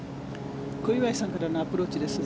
小祝さんからのアプローチです。